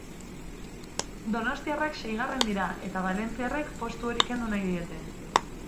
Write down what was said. Donostiarrak seigarren dira eta valentziarrek postu hori kendu nahi diete.